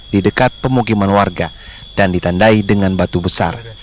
didekat pemukiman warga dan ditandai dengan batu besar